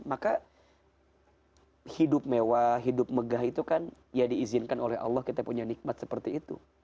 maka hidup mewah hidup megah itu kan ya diizinkan oleh allah kita punya nikmat seperti itu